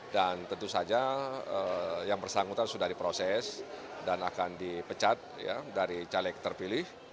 dan tentu saja yang bersangkutan sudah diproses dan akan dipecat dari caleg terpilih